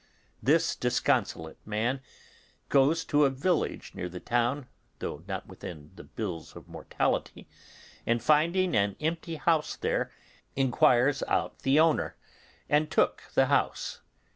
This disconsolate man goes to a village near the town, though not within the bills of mortality, and finding an empty house there, inquires out the owner, and took the house.